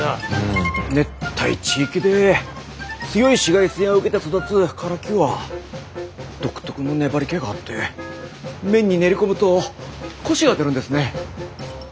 熱帯地域で強い紫外線を受けて育つカラキは独特の粘りけがあって麺に練り込むとコシが出るんですね。